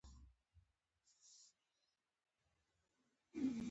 افغانان ژوندي دې خو ژوند نکوي